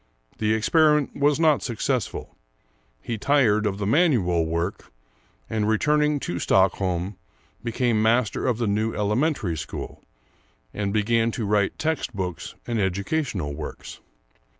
The experiment was not successful, he tired of the manual work, and returning to Stockholm, became master of the new Elementary School, and began to write text books and educational works.